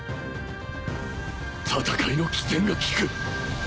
戦いの機転が利く